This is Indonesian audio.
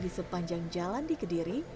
di sepanjang jalan di kediri